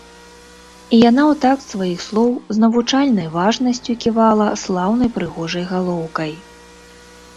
І яна ў такт сваіх слоў з навучальнай важнасцю ківала слаўнай прыгожай галоўкай.